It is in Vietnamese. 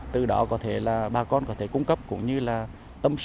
từ đó có thể là bà con có thể cung cấp của những người có tâm tư nguyên vọng để đưa sang bà con